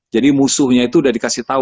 jadi musuhnya itu udah dikasih tau